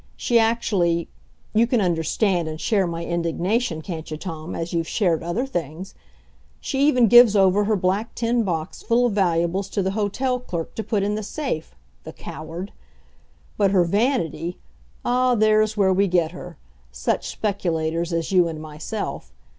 She actually you can understand and share my indignation, can't you, Tom, as you've shared other things? she even gives over her black tin box full of valuables to the hotel clerk to put in the safe; the coward! But her vanity ah, there's where we get her, such speculators as you and myself.